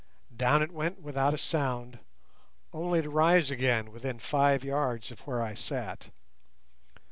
Down it went without a sound, only to rise again within five yards of where I sat.